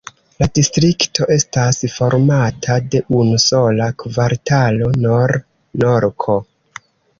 La distrikto estas formata de unu sola kvartalo: Nor-Norko.